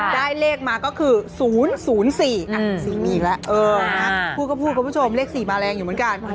ได้เลขมาก็คือ๐๐๔๔มีอีกแล้วพูดก็พูดคุณผู้ชมเลข๔มาแรงอยู่เหมือนกัน